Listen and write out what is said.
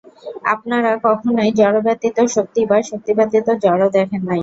আপনারা কখনই জড় ব্যতীত শক্তি বা শক্তি ব্যতীত জড় দেখেন নাই।